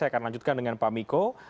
saya akan lanjutkan dengan pak miko